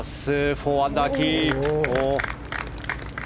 ４アンダーキープ。